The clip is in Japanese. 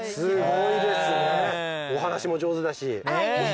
お話しも上手だし。